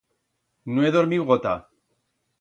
No he dormiu gota.